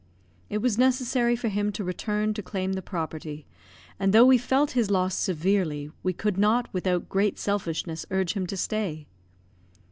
It was necessary for him to return to claim the property, and though we felt his loss severely, we could not, without great selfishness, urge him to stay.